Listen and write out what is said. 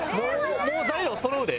もう材料そろうで。